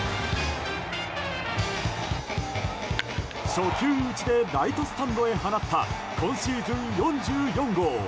初球打ちでライトスタンドへ放った今シーズン４４号。